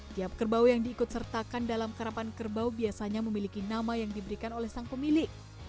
tiap kerbau yang diikut sertakan dalam karapan kerbau biasanya memiliki nama yang diberikan oleh sang pemilik